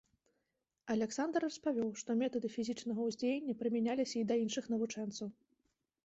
Аляксандр распавёў, што метады фізічнага ўздзеяння прымяняліся і да іншых навучэнцаў.